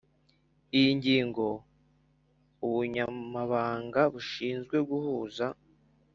iyi ngingo Ubunyamabanga bushinzwe guhuza